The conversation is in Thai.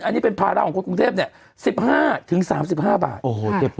อันนี้เป็นภาระของคนกรุงเทพเนี่ย๑๕ถึง๓๕บาทโอ้โหเจ็บปวด